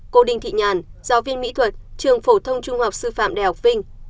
cô đinh thị nhàn giáo viên mỹ thuật trường phổ thông trung học sư phạm đại học vinh